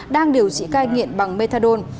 đang điều trị cai nghiện bằng methadone